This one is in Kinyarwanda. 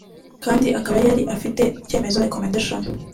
kandi akaba yari afite icyemezo [Recommendation]